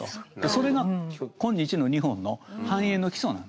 それが今日の日本の繁栄の基礎なんですよ。